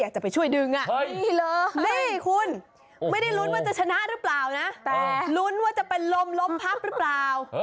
จะไปช่วยดึงนี่คุณไม่ได้ลุ้นว่าจะชนะหรือเปล่านะแต่ลุ้นว่าจะเป็นลมลมพับหรือเปล่า